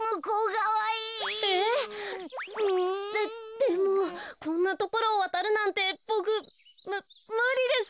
ででもこんなところをわたるなんてボクむむりです。